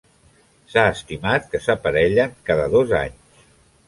S'ha estimat que s'aparellen cada dos anys.